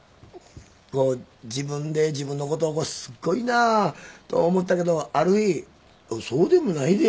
自分で自分のこと「すっごいなあ」と思ったけどある日「そうでもないで」